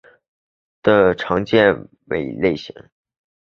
的常为这种类型。